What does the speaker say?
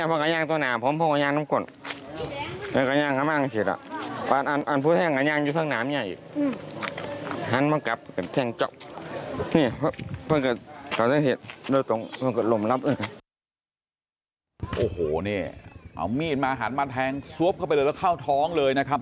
โอ้โหนี่เอามีดมาหันมาแทงซวบเข้าไปเลยแล้วเข้าท้องเลยนะครับ